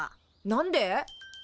何で？